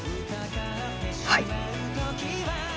はい。